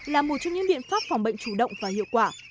là một trong những biện pháp phòng bệnh chủ động và hiệu quả